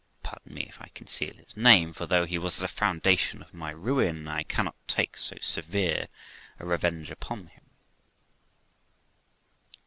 Pardon me if I conceal his name; for though he was the foundation of my ruin, I cannot take so severe a revenge upon him.